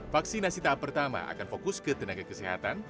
vaksinasi tahap pertama akan fokus ke tenaga kesehatan